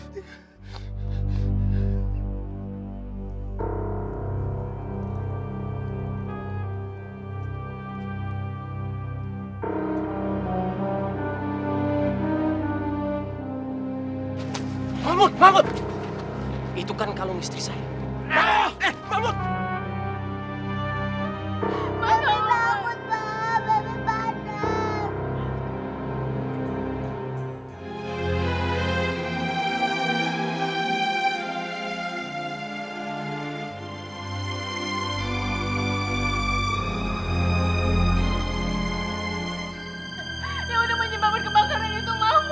dia udah menyebabkan kebakaran itu maaf ben